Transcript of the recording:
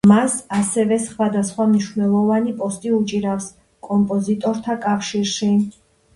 მას ასევე სხვადასხვა მნიშვნელოვანი პოსტი უჭირავს კომპოზიტორთა კავშირში.